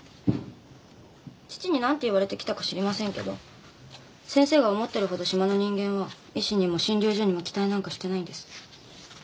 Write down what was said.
父に何て言われて来たか知りませんけど先生が思ってるほど島の人間は医師にも診療所にも期待なんかしてないんです。